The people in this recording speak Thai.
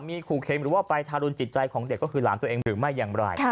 มีขู่เข็มหรือว่าไปทารุณจิตใจของเด็กก็คือหลานตัวเองหรือไม่อย่างไร